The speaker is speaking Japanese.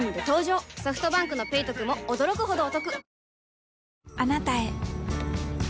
ソフトバンクの「ペイトク」も驚くほどおトク